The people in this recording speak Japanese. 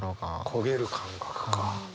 焦げる感覚か。